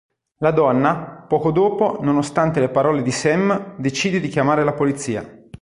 La donna, poco dopo, nonostante le parole di Sam, decide di chiamare la polizia.